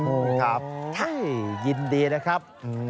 โอ้โฮครับยินดีนะครับ